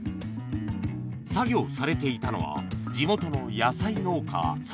作業されていたのは地元の野菜農家